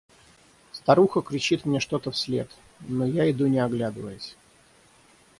Старуха кричит мне что-то вслед, но я иду не оглядываясь.